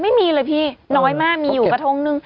ไม่มีเลยพี่น้อยมากมีอยู่กระทงนึง